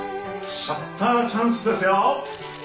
シャッターチャンスですよ！